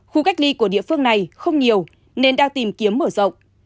khu cách ly của địa phương này không nhiều nên đang tìm kiếm mở rộng